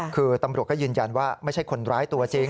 คือตำรวจก็ยืนยันว่าไม่ใช่คนร้ายตัวจริง